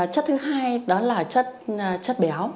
chất thứ hai đó là chất béo